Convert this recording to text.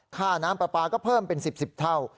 ค่าน้ำปลาปลาก็เพิ่มเป็น๑๐๑๐เท่า